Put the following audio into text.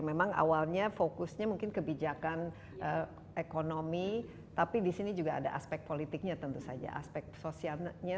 memang awalnya fokusnya mungkin kebijakan ekonomi tapi di sini juga ada aspek politiknya tentu saja aspek sosialnya